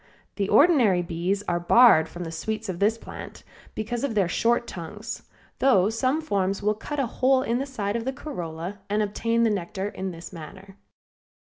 The ordinary bees are barred from the sweets of this plant because of their short tongues, though some forms will cut a hole in the side of the corolla and obtain the nectar in this manner.